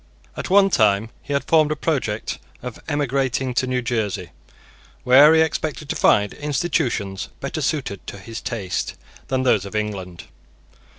At one time he had formed a project of emigrating to New Jersey, where he expected to find institutions better suited to his taste than those of England.